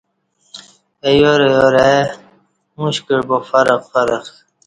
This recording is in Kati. ایار ایار ای اوݩش کعہ با فرق فرق